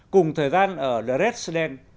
cùng thời gian ở the residence